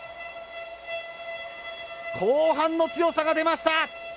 後半の強さが出ました。